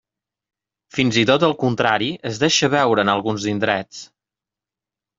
Fins i tot el contrari es deixa veure en alguns indrets.